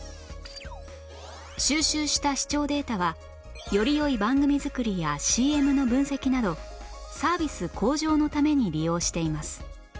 収集した視聴データはより良い番組作りや ＣＭ の分析などサービス向上のために利用しています